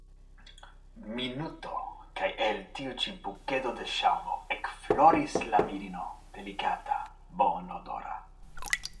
Minuto kaj el tiu ĉi bukedo de ŝaŭmo ekfloris la virino delikata, bonodora.